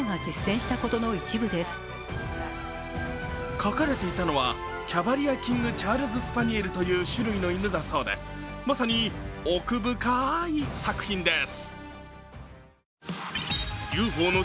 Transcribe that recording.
描かれていたのは、キャバリア・キング・チャールズ・スパニエルという種類の犬だそうで、まさに奥深ーい作品です。